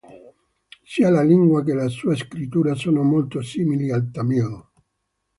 Sia la lingua che la sua scrittura sono molto simili al tamil.